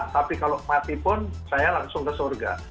tapi kalau mati pun saya langsung ke surga